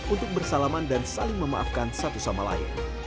untuk bersalaman dan saling memaafkan satu sama lain